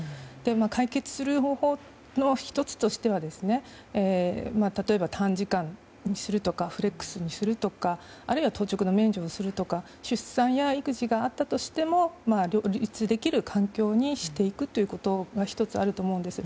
解決する方法の１つとしては例えば、短時間にするとかフレックスにするとかあるいは当直の免除をするとか出産や育児があったとしても両立できる環境にしていくということが１つあると思うんです。